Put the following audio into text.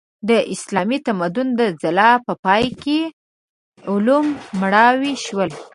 د اسلامي تمدن د ځلا په پای کې علوم مړاوي شول.